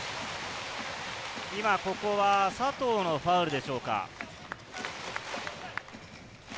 ここは佐藤のファウルでしょうか。